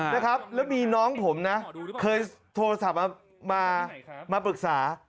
แล้วมีน้องผมเคยโทรคนับมาปรึกษา